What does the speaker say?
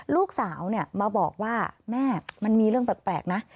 ลูกสาวมาบอกว่าแม่มันมีเรื่องแปลกนะ